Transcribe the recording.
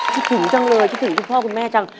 พิถึงจังเลยพิถึงพ่อคุณแม่จัง